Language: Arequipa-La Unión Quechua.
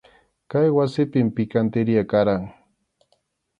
Kay wasipim pikantiriya karqan.